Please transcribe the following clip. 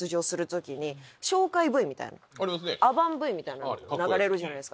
アバンＶＴＲみたいなの流れるじゃないですか。